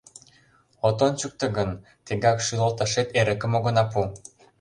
От ончыкто гын, тегак шӱлалташет эрыкым огына пу!